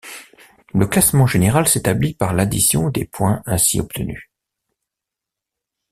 Le classement général s'établit par l'addition des points ainsi obtenus.